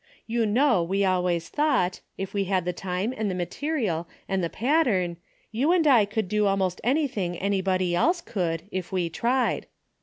You know we always thought, if we had the time and the material and the pat tern, you and I could do almost anything any body else could if we tried.